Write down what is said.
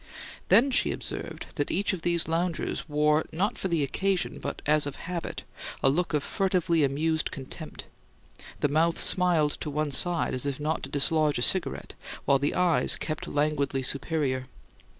Then she observed that each of these loungers wore not for the occasion, but as of habit, a look of furtively amused contempt; the mouth smiled to one side as if not to dislodge a cigarette, while the eyes kept languidly superior.